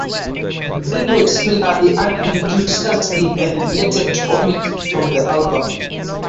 The band were similarly unenthusiastic and elected to omit it from the album.